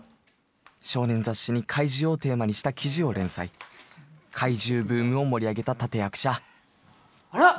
少年雑誌に怪獣をテーマにした記事を連載怪獣ブームを盛り上げた立て役者あらっ